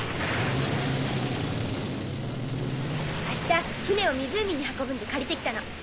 明日艇を湖に運ぶんで借りて来たの。